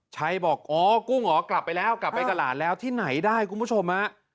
ชัยบอกอ๋อกุ้งเหรอกลับไปแล้วกลับไปตลาดแล้วที่ไหนได้คุณผู้ชมฮะ